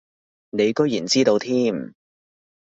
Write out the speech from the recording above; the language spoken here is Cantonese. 你居然知道添